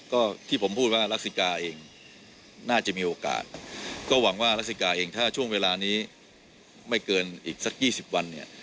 ก็ที่ผมพูดว่ารัสสิกาเองน่าจะมีโอกาสก็หวังว่ารัสสิกาเองถ้าช่วงเวลานี้ไม่เกินอีกสัก๒๐วันเนี่ย